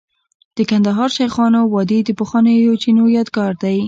د کندهار شیخانو وادي د پخوانیو چینو یادګار دی